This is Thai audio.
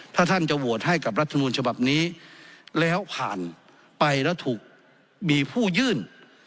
ถ้าท่านจะโหวตให้กับรัฐมนูญฉบับนี้แล้วผ่านไปแล้วถูกมีผู้ยื่น